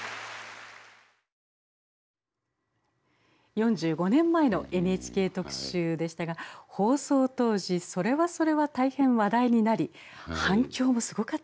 ４５年前の「ＮＨＫ特集」でしたが放送当時それはそれは大変話題になり反響もすごかったんですよね。